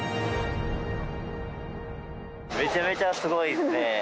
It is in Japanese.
めちゃめちゃすごいですね。